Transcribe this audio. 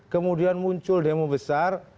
kemudian muncul demo besar